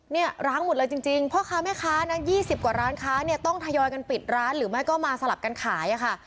เนี่ยร้างหมดเลยจริงพ่อค้าแม่ค้านะ๒๐กว่าร้านค้าเนี่ยต้องทยอยกันปิดร้านหรือไม่ก็มาสลับกันขายค่ะ